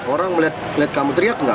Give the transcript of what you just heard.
orang melihat kamu teriak nggak